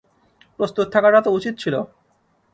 প্রস্তুত থাকাটা তো উচিত ছিল।